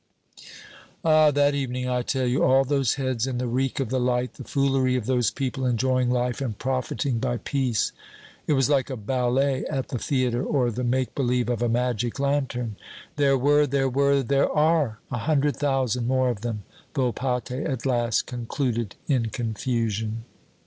"Ah, that evening, I tell you, all those heads in the reek of the light, the foolery of those people enjoying life and profiting by peace! It was like a ballet at the theater or the make believe of a magic lantern. There were there were there are a hundred thousand more of them," Volpatte at last concluded in confusion.